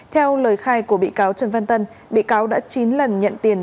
theo lời khai của bị cáo trần văn tân bị cáo đã chín lần nhận tiền